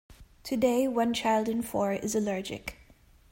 Today one child in four is allergic.